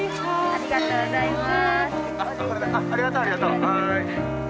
ありがとうございます。